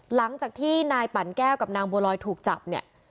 หลังจากที่นายปั่นแก้วกับนางบัวลอยถูกจับเนี่ย